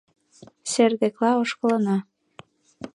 Сер декыла ошкылына.